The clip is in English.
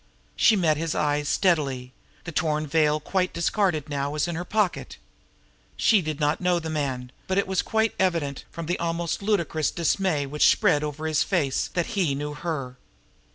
She met his eyes steadily the torn veil, quite discarded now, was in her pocket. She did not know the man; but it was quite evident from the almost ludicrous dismay which spread over his face that he knew her.